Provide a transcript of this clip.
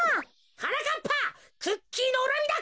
はなかっぱクッキーのうらみだ。